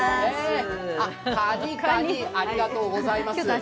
かに、かに、ありがとうございます。